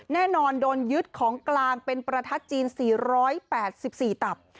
แน่นอนโดนยึดของกลางเป็นประทัดจีน๔๘๔ตับ